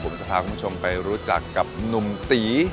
ผมจะพาคุณผู้ชมไปรู้จักกับหนุ่มตี